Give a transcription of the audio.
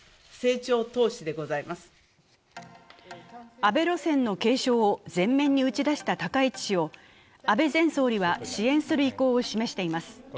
安倍路線の継承を全面に打ち出した高市氏を安倍前総理は支援する意向を示しています。